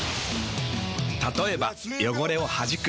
たとえば汚れをはじく。